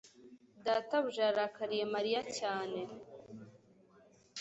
data buja yarakariye Mariya cyane